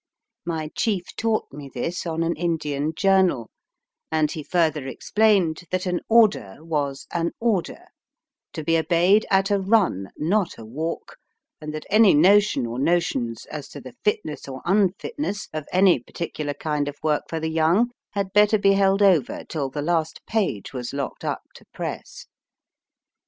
My chief taught me this on an Indian journal, and he further explained that an order was an order, to be obeyed at a run, not a walk, and that any notion or notions as to the fitness or unfit ness of any particular kind of work for the young had better be held over till the last page was locked up to press.